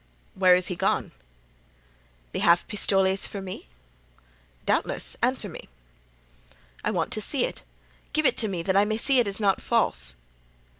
"Where is he gone?" "The half pistole is for me?" "Doubtless, answer me." "I want to see it. Give it me, that I may see it is not false."